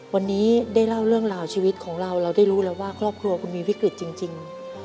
วันนี้ได้เล่าเรื่องราวชีวิตของเราเราได้รู้แล้วว่าครอบครัวคุณมีวิกฤตจริง